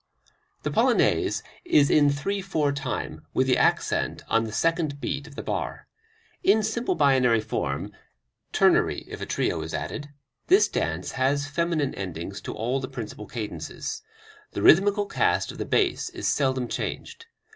The Polonaise is in three four time, with the accent on the second beat of the bar. In simple binary form ternary if a trio is added this dance has feminine endings to all the principal cadences. The rhythmical cast of the bass is seldom changed.